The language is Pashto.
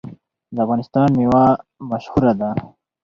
د افغانستان میوه مشهوره ده.